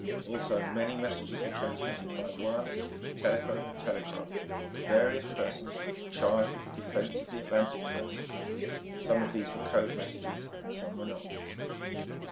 Also many messages were transmitted by wireless, telephone, and telegraph, to various persons charged with the defense of the Atlantic Coast; some of these were code messages, some were not.